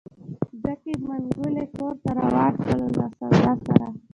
ډکې منګولې کور ته روان شول له سودا سره.